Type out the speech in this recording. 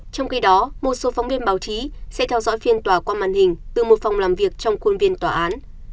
trong khi đó một số phóng viên báo chí sẽ theo dõi phiên tòa qua màn hình từ một phòng làm việc trong khuôn viên tòa án